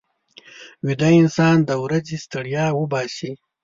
ویده انسان د ورځې ستړیا وباسي